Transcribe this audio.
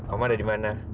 oma ada di mana